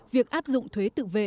việc áp dụng thuế tự vệ